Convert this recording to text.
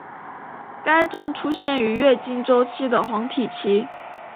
该症出现于月经周期的黄体期。